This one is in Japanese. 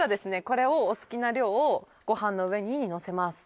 これをお好きな量をご飯の上にのせます